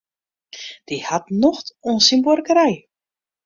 Dy hat nocht oan syn buorkerij.